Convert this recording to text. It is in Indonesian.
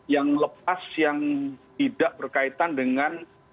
yang lepas yang tidak berkaitan dengan